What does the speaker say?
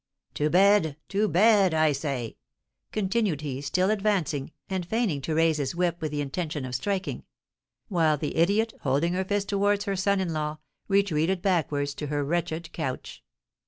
"To bed! to bed, I say!" continued he, still advancing, and feigning to raise his whip with the intention of striking; while the idiot, holding her fist towards her son in law, retreated backwards to her wretched couch.